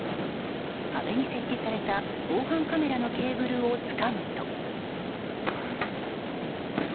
壁に設置された防犯カメラのケーブルをつかむと。